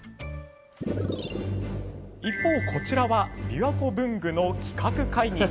一方、こちらはびわこ文具の企画会議。